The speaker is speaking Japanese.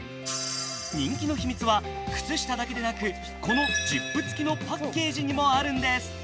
人気の秘密は靴下だけでなくこのジップ付きのパッケージにもあるんです。